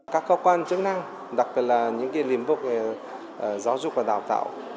các cơ quan chức năng đặc biệt là những lĩnh vực giáo dục và đào tạo